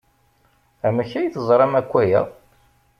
Amek ay teẓram akk aya?